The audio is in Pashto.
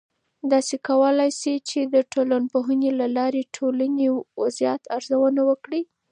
تاسې کولای سئ د ټولنپوهنې له لارې د ټولنې وضعیت ارزونه وکړئ.